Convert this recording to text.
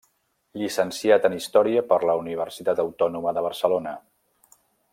Llicenciat en història per la Universitat Autònoma de Barcelona.